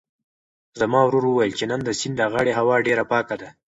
زما ورور وویل چې نن د سیند د غاړې هوا ډېره پاکه ده.